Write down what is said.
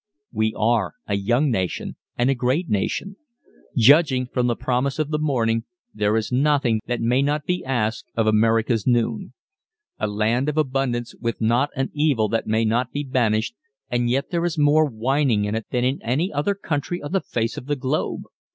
We are a young nation and a great nation. Judging from the promise of the morning, there is nothing that may not be asked of America's noon. A land of abundance, with not an evil that may not be banished, and yet there is more whining in it than in any other country on the face of the globe.